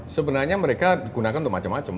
sebenarnya mereka digunakan untuk macam macam